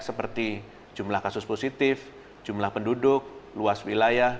seperti jumlah kasus positif jumlah penduduk luas wilayah